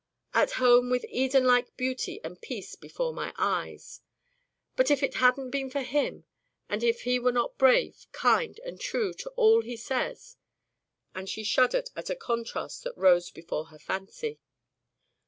At home with Eden like beauty and peace before my eyes. But if it hadn't been for him, and if he were not brave, kind, and true to all he says " and she shuddered at a contrast that rose before her fancy.